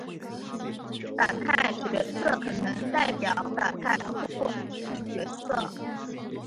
反派角色可能代表反派或对立角色。